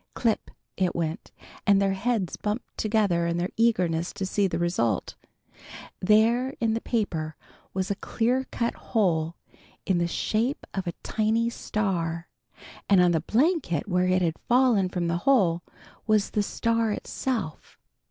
Clip, it went, and their heads bumped together in their eagerness to see the result. There in the paper was a clear cut hole in the shape of a tiny star, and on the blanket where it had fallen from the hole, was the star itself.